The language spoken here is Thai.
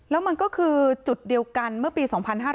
แล้วมันก็คือจุดเดียวกันเมื่อปี๒๕๕๙